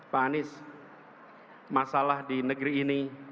pak anies masalah di negeri ini